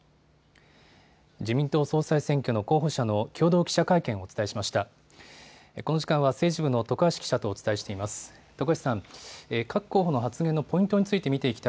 自民党総裁選挙の候補者の共同記者会見をお伝えしました。